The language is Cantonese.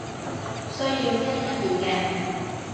需要聽一遍嘅